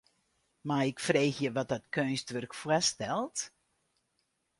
Mei ik freegje wat dat keunstwurk foarstelt?